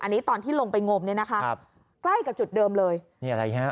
อันนี้ตอนที่ลงไปงมเนี่ยนะคะครับใกล้กับจุดเดิมเลยนี่อะไรฮะ